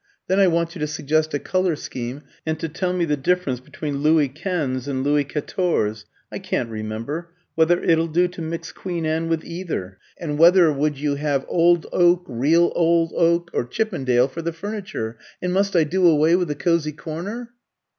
Then I want you to suggest a colour scheme, and to tell me the difference between Louis Quinze and Louis Quatorze (I can't remember), whether it'll do to mix Queen Anne with either. And whether would you have old oak, real old oak, or Chippendale, for the furniture? and must I do away with the cosy corner?"